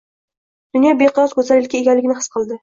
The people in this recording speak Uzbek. Dunyo beqiyos goʻzallikka egaligini his qildi